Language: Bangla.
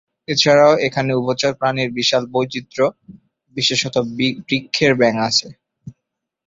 এছাড়াও, এখানে উভচর প্রাণীর বিশাল বৈচিত্র্য, বিশেষত বৃক্ষের ব্যাঙ আছে।